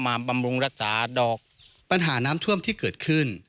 บำรุงรักษาดอกปัญหาน้ำท่วมที่เกิดขึ้น